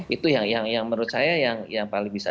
itu yang menurut saya yang paling bisa